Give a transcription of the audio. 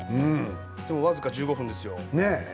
でも僅か１５分ですよ。